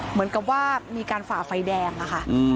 เหมือนกับว่ามีการฝ่าไฟแดงอะค่ะ